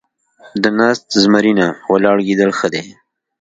ـ د ناست زمري نه ، ولاړ ګيدړ ښه دی.